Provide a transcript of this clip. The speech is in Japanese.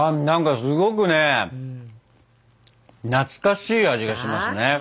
なんかすごくね懐かしい味がしますね。